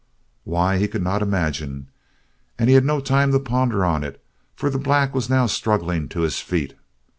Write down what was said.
Why, he could not imagine, and he had no time to ponder on it, for the black was now struggling to his feet.